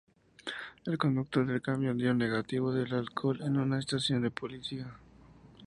El conductor del camión dio negativo del alcohol en una estación de policía.